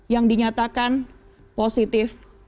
yang dinyatakan positif